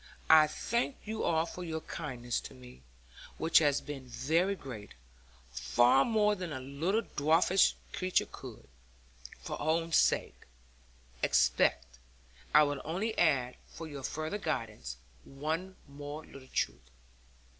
I thank you all for your kindness to me, which has been very great, far more than a little dwarfish creature could, for her own sake, expect. I will only add for your further guidance one more little truth.